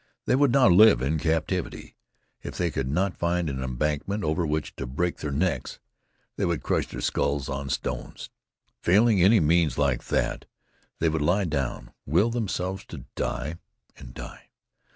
They would not live in captivity. If they could not find an embankment over which to break their necks, they would crush their skulls on stones. Failing any means like that, they would lie down, will themselves to die, and die.